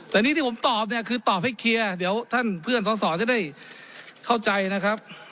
แต่นี่ที่ผมตอบเนี่ยคือตอบให้เคลียร์เดี๋ยวท่านเพื่อนสอสอจะได้เข้าใจนะครับ